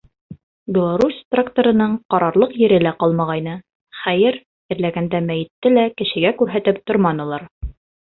«Беларусь» тракторының ҡарарлыҡ ере лә ҡалмағайны, хәйер, ерләгәндә мәйетте лә кешегә күрһәтеп торманылар.